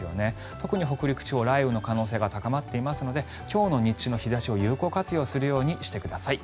特に北陸地方、雷雨の可能性が高まっていますので今日の日中の日差しを有効活用するようにしてください。